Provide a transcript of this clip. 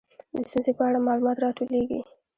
د ستونزې په اړه معلومات راټولیږي.